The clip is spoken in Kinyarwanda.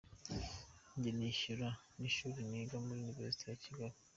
Njye nishyura n’ishyuri niga muri University of Kigali.